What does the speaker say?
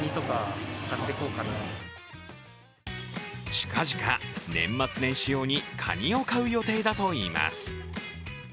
近々、年末年始用にかにを買う予定だといいます。